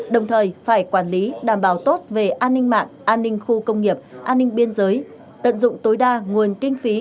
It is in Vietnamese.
đồng thời phải quản lý đảm bảo tốt về an ninh mạng an ninh khu công nghiệp an ninh biên giới tận dụng tối đa nguồn kinh phí